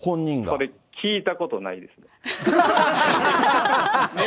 それ、聞いたことないですね。